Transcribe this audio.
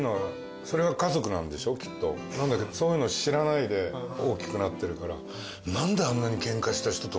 なんだけどそういうの知らないで大きくなってるから。